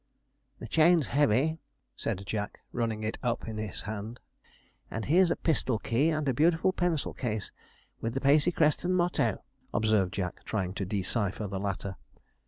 'The chain's heavy,' said Jack, running it up in his hand; 'and here's a pistol key and a beautiful pencil case, with the Pacey crest and motto,' observed Jack, trying to decipher the latter.